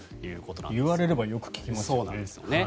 言われればよく聞きますよね。